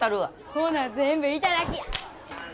ほな全部頂きや！